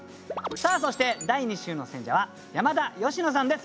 さあそして第２週の選者は山田佳乃さんです。